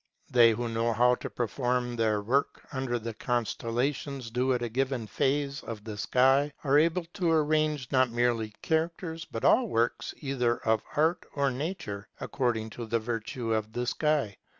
They who know how to perform their work under the constellations due at a given phase of the sky, are able to arrange not merely characters, but all works either of art or nature, according to the virtue of the sky.